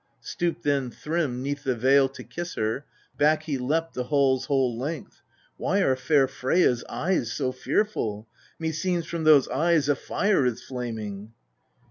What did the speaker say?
27. Stooped then Thrym 'neath the veil, to kiss her, back he leapt the hall's whole length :' Why are fair Freyja's eyes so fearful ? Meseems from those eyes a fire is flaming.'